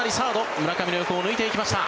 村上の横を抜いていきました。